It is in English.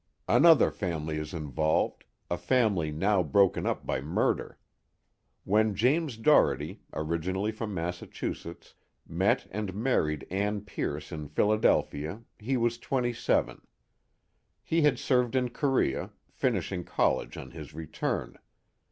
_) "Another family is involved, a family now broken up by murder. When James Doherty, originally from Massachusetts, met and married Ann Pierce in Philadelphia, he was twenty seven. He had served in Korea, finishing college on his return.